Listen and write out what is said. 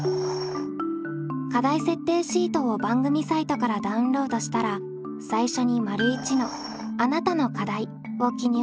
課題設定シートを番組サイトからダウンロードしたら最初に①の「あなたの課題」を記入します。